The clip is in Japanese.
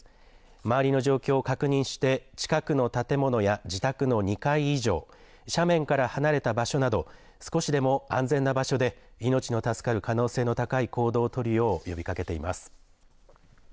周りの状況を確認して近くの建物や自宅の２階以上、斜面から離れた場所など少しでも安全な場所で命の助かる可能性の高い行動を取るよう呼びかけています。